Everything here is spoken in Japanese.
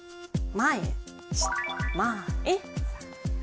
前。